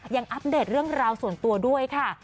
อัปเดตเรื่องราวส่วนตัวด้วยค่ะ